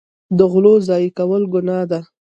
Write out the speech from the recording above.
د غلو ضایع کول ګناه ده.